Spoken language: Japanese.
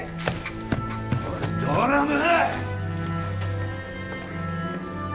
おいドラム！